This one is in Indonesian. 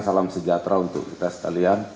salam sejahtera untuk kita sekalian